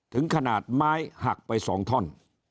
ถึงขนาดไม้หักไป๒ท่อน